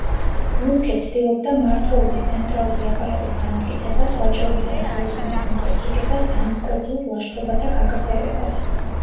მუნქე ცდილობდა მმართველობის ცენტრალური აპარატის განმტკიცებას, ვაჭრობისა და ხელოსნობის მოწესრიგებას, დამპყრობლურ ლაშქრობათა გაგრძელებას.